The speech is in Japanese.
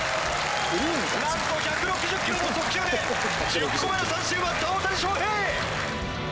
なんと１６０キロの速球で１０個目の三振を奪った大谷翔平！